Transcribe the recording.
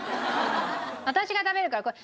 私が食べるからこれ。